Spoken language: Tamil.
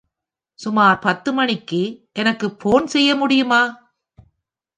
சுமார் பத்து மணிக்கு எனக்கு போன் செய்ய முடியுமா?